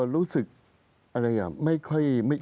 ลุงเอี่ยมอยากให้อธิบดีช่วยอะไรไหม